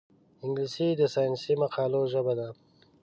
انګلیسي د ساینسي مقالو ژبه ده